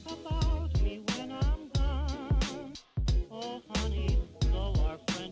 channel ini untuk info yang kamu harus tahu while walking